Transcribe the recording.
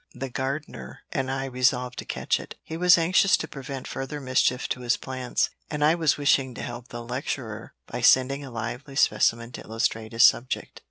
The gardener and I resolved to catch it; he was anxious to prevent further mischief to his plants, and I was wishing to help the lecturer by sending a lively specimen to illustrate his subject.